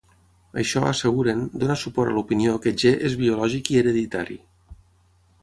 Això, asseguren, dona suport a l'opinió que "g" és biològic i hereditari.